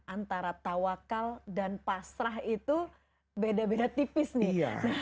antara tawakal dan pasrah itu beda beda tipis nih